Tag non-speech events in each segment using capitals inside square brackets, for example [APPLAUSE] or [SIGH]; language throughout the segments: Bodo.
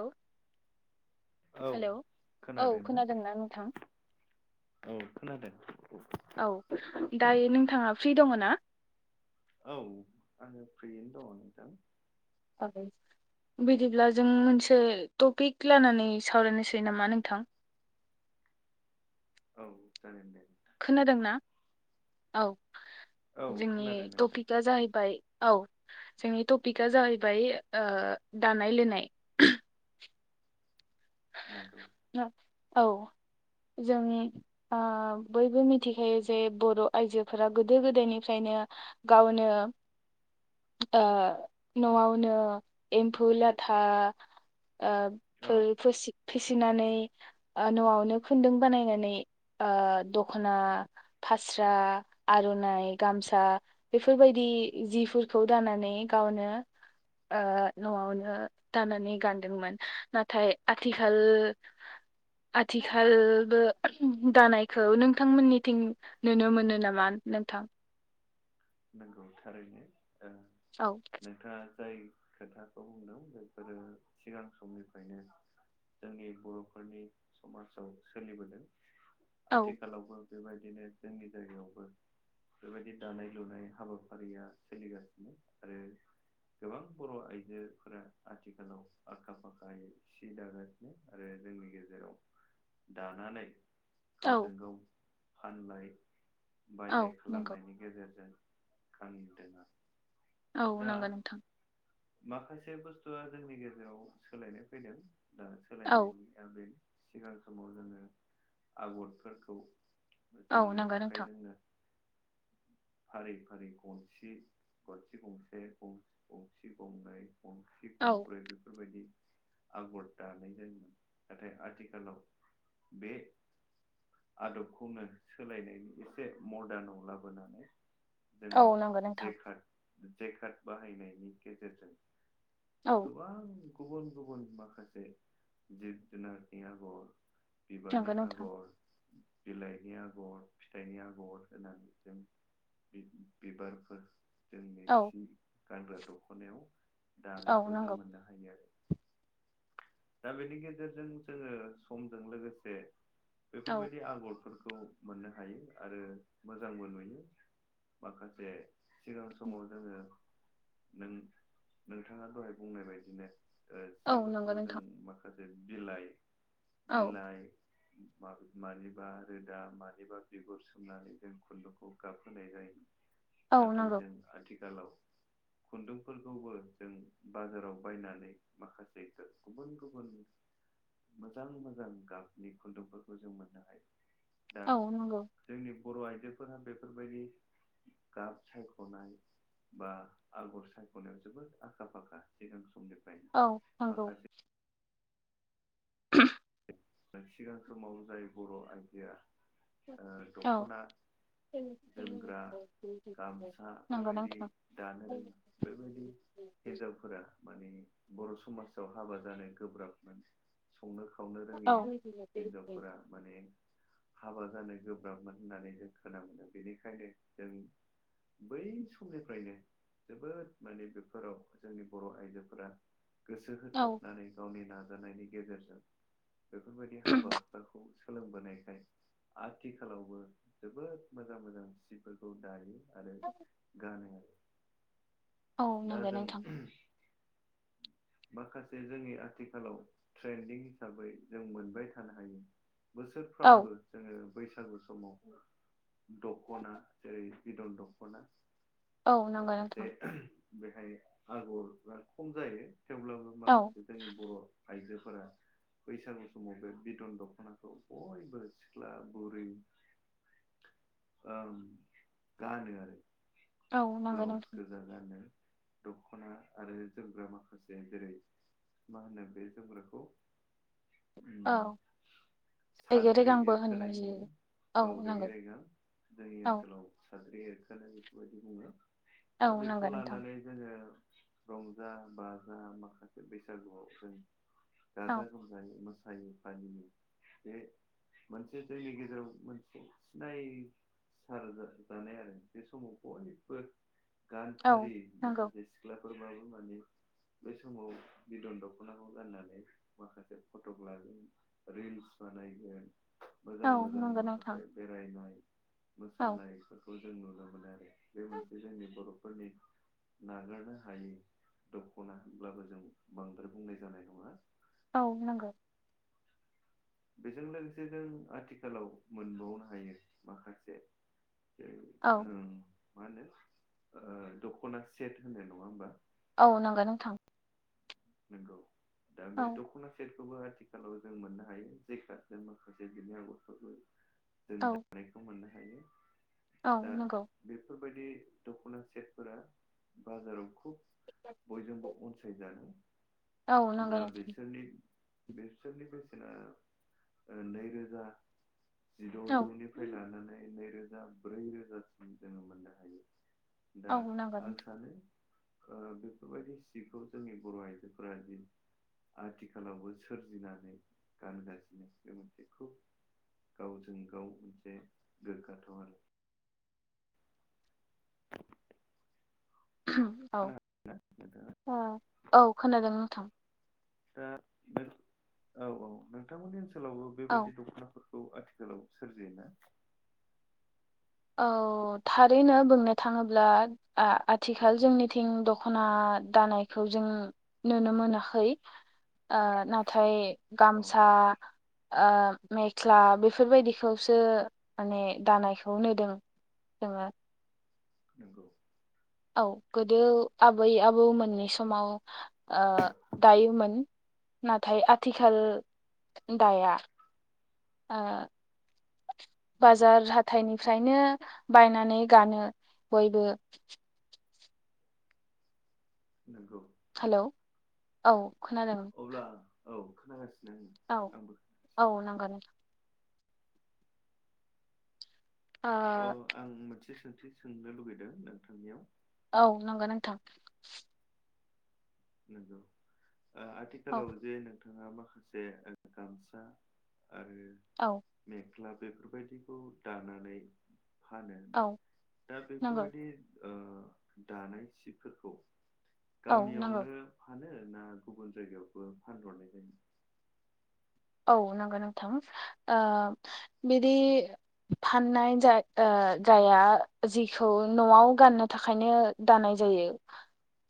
औ औ हेलौ औ खोनादोंना नोंथां औ खोनादों औ दायो नोंथाङा फ्रि दङ ना औ आङो फ्रियैनो दङ नोंथां [UNINTELLIGIBLE] बिदिब्ला जों मोनसे टपिक लानानै सावरायनोसै नामा नोंथां औ जागोन दे खोनादोंना औ औ जोंनि खोनादों नोंथां टपिकआ जाहैबाय औ जोंनि टपिकआ जाहैबाय दानाय लुनाय नोंगौ औ जों ओ बयबो मिथिखायो जे बर' आइजोफोरा गोदो गोदायनिफ्रायनो गावनो ओ न'आवनो एम्फौ लाथा ओ औ बो फोसि फिसिनानै ओ न'आवनो खुन्दुं बानायनानै ओ दखना फास्रा आर'नाइ गामसा बेफोरबायदि जिफोरखौ दाना नै गावनो ओ न'आवनो दानानै गानदोंमोन नाथाय आथिखाल आथिखालबो दानायखौ नोंथांमोननिथिं नुनो मोनो नामा नोंथां नंगौ थारैनो औ नोंथाङा जाय खोथाखौ बुंदों बेफोरो सिगां समनिफ्रायनो जोंनि बर'फोरनि समाजाव सोलिबोदों औ आथिखालावबो बेबायदिनो जोंनि जायगायावबो बेबायदि दानाय लुनाय हाबाफारिया सोलिगासिनो आरो गोबां बर' आइजोफोरा आथिखालाव आखा फाखायै सि दागासिनो आरो जोंनि गेजेराव दानानै औ गावजों गाव फानलाय औ बायलाय नंगौ खालामनायनि गेजेर [UNINTELLIGIBLE] औ दा नंगौ नोंथां माखासे बुस्थुआ जोंनि गेजेराव सोलायनाय फैदों दा औ सोलायनाया बेनो सिगां समाव जोङो आगरफोरखौ औ जोंनि नंगौ नोंथां आखाइजोंनो फारि फारि गनसि गनसि गंसे गं-गंसे गंनै गंसि औ गंब्रै बेफोरबायदि आगर दानाय जायोमोन नाथाय आथिखालाव बे आदबखौनो सोलायनायनि एसे मदारनआव लाबोनानै औ जोङो नंगौ नोंथां जेखार जेखाद बाहायनायनि गेजेरजों औ गोबां गुबुन गुबुन माखासे जिब जुनारनि आगर बिबारनि नंगौ नोंथां आगर बिलाइनि आगर फिथाइनि आगर होनानै जों बि-बिबारफोर जोंनि औ सि गानग्रा दख'नायाव औ दानायखौ जों नंगौ मोननो हायो आरो दा बेनि गेजेरजों जोङो समजों लोगोसे औ बेफोरबायदि आगरफोरखौ मोननो हायो आरो मोजांबो नुयो माखासे सिगां समाव जोङो नों नोंथाङा दहाय बुंनाय बायदिनो ओ औ नंगौ सिफोरखौ जों नोंथां माखासे बिलाइ औ बिलाइ माबे मानिबा रोदा मानिबा बिगुर सोमनानै जों खुन्दुंखौ गाब होनाय जायोमोन औ नाथाय नंगौ जों आथिखालाव खुन्दुंफोरखौबो जों बाजाराव बायनानै माखासे गो गुबुन गुबुन मोजां मोजां गाबनि खुन्दुंफोरखौ जों मोननो हायो दा औ नंगौ जोंनि बर' आइजोफोरा बेफोरबायदि गाब सायखनाय बा आगर सायख'नायाव जोबोद आखा फाखा सिगां समनिफ्राय औ नंगौ सिगां समाव जाय बर' आइजोया ओ औ दख'ना जोमग्रा गामसा नंगौ बेबायदि नोंथां दानो औ रोङो बेबायदि हिनजावफोरा माने बर' समाजाव हाबा जानो गोब्राब मोन संनो खाव औ हाबा जानो गोब्राबमोन होननानै जों खोनानो मोनो बेनिखायनो जों बै समनिफ्रायनो जोबोद माने बेफोराव जोंनि बर' आइजोफोरा गोसो होथाबनानै गावनि सोलोंबोनायखाय आथिखालावबो जोबोद मोजां मोजां सिफोरखौ दायो आरो गानो आरो औ दा नंगो जों नोंथां माखासे जोंनि आथिखालाव ट्रेन्दिं हिसाबै जों मोनबाय थानो हायो बोसोरफ्रामबो जोङो बैसागु समाव दख'ना जेरै दख'ना माखासे नोंथां बेहाय आगर बिराद खम जायो थेवब्लाबो औ माखासे जोंनि बर' आयजोफोरा बैसागु समाव बे बिदन दख'नाखौ बयबो सिख्ला बुरि उम गानो आरो औ नंगौ नोंथां औ नंगौ ब्लाउस नोंथां गोजा गानो दख'ना आरो जोमग्रा माखासे जेरै मा होनो बे जोमग्राखौ औ उम रेगे साद्रि रेगांबो होननाय एरखोनाय जायो होनो औ रेग रेग औ साद्रि एरखोनान बेफोरबायदि बुङो औ दा बेखौ नंगौ नोंथां लानानै जोङो रंजा बाजा माखासे बैसागुआव जों गाजा औ गोमजायै मा- यै फालियो बे बे मोनसे जोंनि गेजेराव मोनसे सिनाय सारजानाय आरो बे समावबो बयबो औ गानथारि नंगौ माखासे सिख्लाफोरबाबो माने बेै समाव बिदन दख'नाखौ गाननानै माखासे फट'क लागोन रिल्स बा [UNINTELLIGIBLE] [INAUDIBLE] औ मोजां मोजां नंगौ नोंथां माखासे बेरायनाय औ मोसानायफोरखौ जों नुनो मोनो आरो बे मोनसे जोंनि बर'फोरनि नागारनो हायि द खना होनब्लाबो जों बांद्राय बुंनाय जानाय नङा औ नंगौ बेजों लोगोसे जों आथिखालाव मोनबावनो हायो माखासे जेरै औ ओं मा होनो ओ दख'ना सेट होनदो नङा होमबा औ नांगौ नोंथां औ [INAUDIBLE] [INAUDIBLE] औ [INAUDIBLE] औ दा नंगौ बेफोरबायदि दख'ना सेटफोरा बाजाराव खुब बयजोंबो अनसायजादों औ नंगौ दा नोंथां बिसोरनि बेसोरनि बेसेना ओ नै रोजा औ जिद'जौनिफ्राय लानानै नै रोजा ब्रै रोजासिम जोङो मोननो हायो। दा औ नंगौ आं नोंथां सानो ओ बेफोरबायदि सिखौ जोंनि बर' आइजो [UNINTELLIGIBLE] आथिखालावबो सोरजिनानै गानगासिनो बे मोनसे खुब गावजों गाव मोनसे गोग्गाथाव आरो। औ खोनादोंना नोंथाङा? ओ औ खोनादों नोंथां। दा [UNINTELLIGIBLE] औ औ नोंथांमोननि ओनसोलावबो औ बेबायदि दख'नाफोर खौ आथिखालाव सोरजियोना। औ थारैनो बुंनो थाङोब्ला आ-आथिखाल जोंनिथिं दख'ना दानायखौ जों नुनो मोनाखै। आ नाथाय औ गामसा आ मेख्ला बेफोरबायदिखौसो माने दानाय खौ नोदों जोङो नंगौ औ गोदो आबै आबौमोननि समाव ओ दायोमोन नाथाय आथिखाल दाया ओ [INAUDIBLE] बाजार हाथाइनिफ्रायनो बायनानै गानो बयबो नंगौ हेलौ औ खोनादों अब्ला औ खोनागासिनो आङो औ आंबो खोनागासिनो। औ नंगौ नोंथां औ आं मोनसे सोंथि सोंनो लुुबैदों नोंथांनियाव औ नंगौ नोंथां नंगौ ओ औ आथिखालाव जे नों थाङा माखासे गामसा आरो औ मेख्ला बेफोरबायदिखौ दानानै फानो औ दा नंगौ बेफोरबायदि। ओ दानाय सिफोरखौ औ नंगौ गामियावनो फानो ना गुबुन जायगायावबो फानहरनाय जायो औ नंगौ नोंथां ओ बिदि फाननाय जा ओ जाया जिखौ न'आव गाननो थाखायनो दानाय जायो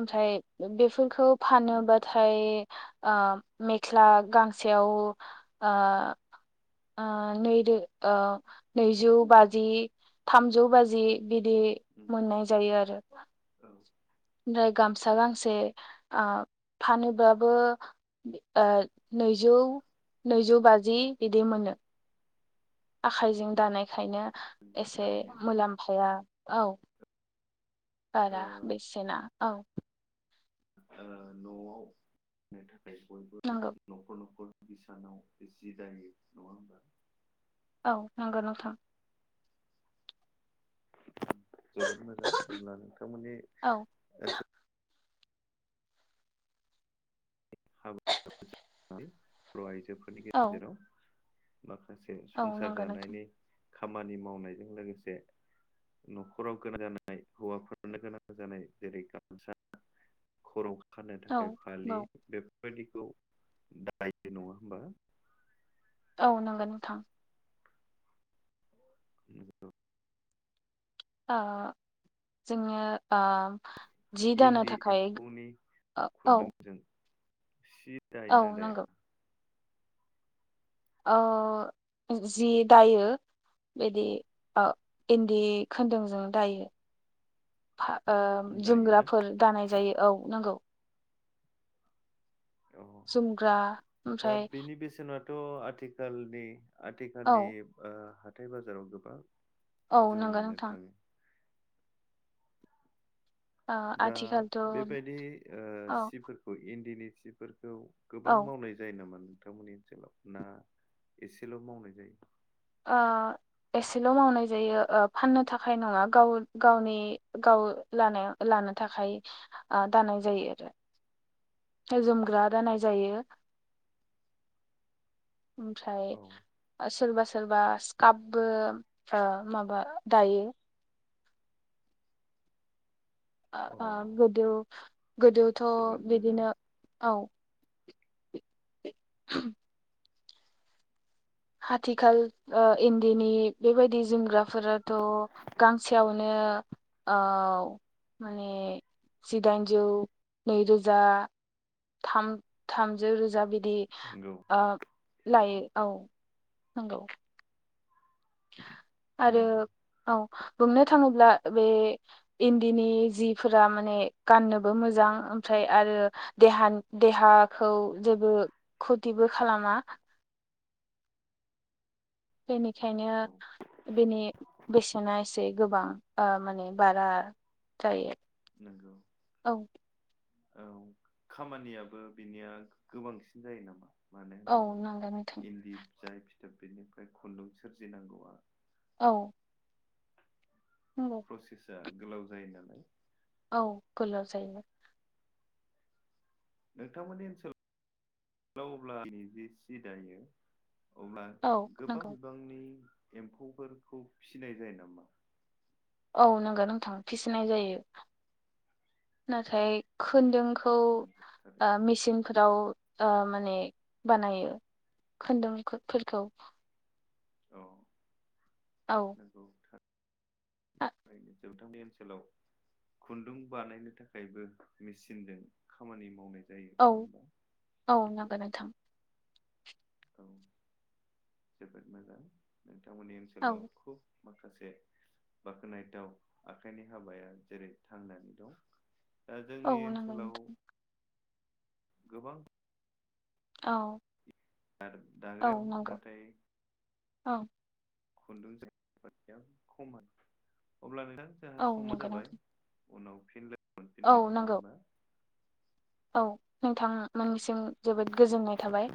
ओमफ्राय बेफोरखौ नंगौ फानोबाथाय ओ मेख्ला गांसेयाव ओ ओ नै रो ओ नैजौ बाजि थामजौ बाजि बिदि उम औ मोननाय जायो आरो नंगौ ओमफ्राय गामसा गांसे ओ फानोबबो बि ओ नैजौ जौ नैजौ बाजि बिदि मोनो। आखाइजों दानायखायनो एसे थारैनो मुलाम्फाया औ बारा बेसेना औ ओ न'आव नो थाखाय बय नंगौ [UNINTELLIGIBLE] बिसानाव जि दायो नङा होमबा? औ नांगौ नोंथां। जोबोद मोजां अब्ला नोंथांमोननि औ ओनसोल [UNINTELLIGIBLE] औ। माखासे औ संसार नंगौ नोंथां जानायनि खामानि मावनायजों लोगोसे न'खराव गोनां जानाय हौवाफोरनो गोनां जानाय जेरै गामसा खर' खानो औ थाखाय फालि औ बेफोरबायदिखौ दायो नङा होमबा? औ नंगौ नोंथां। [INAUDIBLE] ओ जोङो ओ जि दानो इन्दि थाखाय एम्फौनि औ खुन्दुंजों सि दायो औ ना दाया? नंगौ ओ जि दायो। बिदि ओ इन्दि खोनदुंजों दायो। फा ओ दायोना जोमग्राफोर दानाय जायो‌ औ नंगौ। अ जोमग्रा ओमफ्राय थ' आथिखालनि आथिखालनि औ ओ हाथाय बाजाराव गोबां औ जों नंगौ मोननो नोंथां थाङो। ओ दा आथिखालथ' औ बेबायदि ओ सिफोरखौ इन्दिनि सिफोर खौ गोबां औ ओ मावनाय जायो नामा नोंथांमोननि ओनसोलाव ना एसेल' मावनाय जायो? ओ एसेल' मावनाय जायो ओ फाननो थाखाय नङा गाव गावनि गाव लानो ला नो थाखाय ओ दानाय जायो आरो। जोमग्रा दानाय जायो। ओमफ्राय औ सोरबा सो सोरबा स्कापबो ओ माबा दायो। अ ओ गोदो गोदोथ' जोबोद मोजां बिदिनो औ [INAUDIBLE] हाथिखाल ओ इन्दिनि बेबायदि जोमग्राफोराथ' गांसेयावनो ओ औ माने जिदाइनजौ, नै रोजा। थाम-थामजौ रोजा बिदि नंगौ ओ लायो औ। नंगौ। आरो नंगौ औ। बुंनो थाङोब्ला बे इन्दिनि जिफोरा माने गाननोबो मोजां ओमफ्राय आरो देहानि देहाखौ जेबो खुथिबो खालामा। बेनिखायनो बेनि बेसेना एसे गोबां ओ माने बारा जायो। नोंगौ। औ औ खामानियाबो बिनिया गोबांसिन जायो नामा? मानो औ होनोब्ला नंगौ नोंथां इन्दि जाय फिथोब बेनिफ्राय खुन्दुं सोरजिनांगौआ औ। नंगौ प्रसेसा गोलाव जायो नालाय। औ गोलाव जायो। नोंथांमोननि ओनसोलाव अब्ला दिनैजि सि दायो अब्ला औ गोबां नंगौ बिबांनि एम्फौफोरखौ फिसिनाय जायो नामा? औ नोंगौ नोंथां फिसिनाय जायो। नाथाय खोन्दों खौ ओ थारैनो मेसिनफोराव ओ माने बानायो खुन्दुंखोफोरखौ। औ नंगौ थां। [INAUDIBLE] जौथांनि ओनसोलाव खुन्दुं बानायनो थाखायबो मेचनजों खामानि मावनाय। जायो औ नङा होमबा औ नांगोन नोंथां। औ जोबोद मोजां नोंथांमोननि औ ओनसोलाव माखासे बाख्नायथाव आखाइनि हाबाया जेरै थांनानै दं। दा औ जोंनि नंगौ ओनसोलाव नोंथां गोबां। औ दा औ दाग्राया नंगौ नाथाय औ खुन्दुं खमानो अब्ला नोंथां जोंहा औ समा नंगौ जाबाय। नोंथां उनाव फिन औ मोनफिनगोन नङा नंगौ होमबा? औ नोंथांमोननिसिम जोबोद गोजोननाय थाबाय।